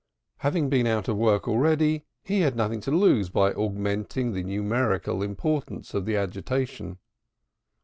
Having been out of work already he had nothing to lose by augmenting the numerical importance of the agitation.